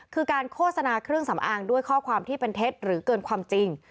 คือการโฆษณาเครื่องสำอางด้วยข้อความที่เป็นเท็จหรือเกินความจริง